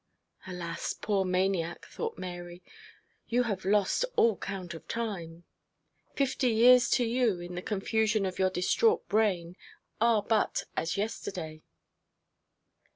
'Alas! poor maniac,' thought Mary, 'you have lost all count of time. Fifty years to you in the confusion of your distraught brain, are but as yesterday.'